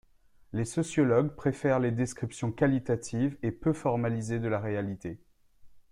Les sociologues préfèrent les descriptions qualitatives et peu formalisées de la réalité.